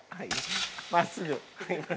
真っすぐ。